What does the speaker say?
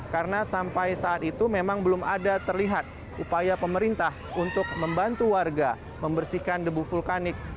karena sampai saat itu memang belum ada terlihat upaya pemerintah untuk membantu warga membersihkan debu vulkanik